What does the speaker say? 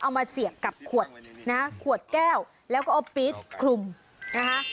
มาเสียบกับขวดนะฮะขวดแก้วแล้วก็เอาปี๊ดคลุมนะคะ